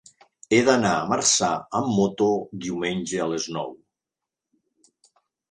He d'anar a Marçà amb moto diumenge a les nou.